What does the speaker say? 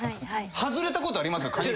外れたことあります！？